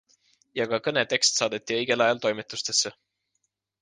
Ja ka kõne tekst saadeti õigel ajal toimetustesse.